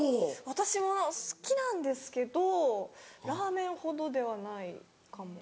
私も好きなんですけどラーメンほどではないかも。